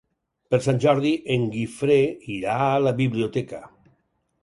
Per Sant Jordi en Guifré irà a la biblioteca.